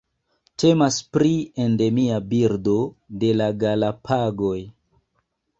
Temas pri endemia birdo de la Galapagoj.